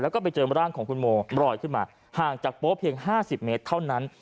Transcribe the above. แล้วก็ไปเจอร่างของคุณโมรอยขึ้นมาห่างจากโป๊เพียง๕๐เมตรเท่านั้น